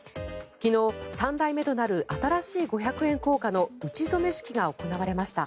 昨日、３代目となる新しい五百円硬貨の打ち初め式が行われました。